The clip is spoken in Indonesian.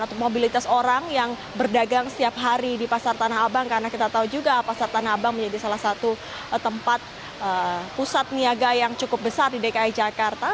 atau mobilitas orang yang berdagang setiap hari di pasar tanah abang karena kita tahu juga pasar tanah abang menjadi salah satu tempat pusat niaga yang cukup besar di dki jakarta